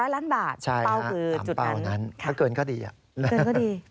๗๐๐ล้านบาทเป้าคือจุดนั้นครับถ้าเกินก็ดีอ่ะครับครับ